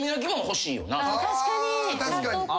あ確かに！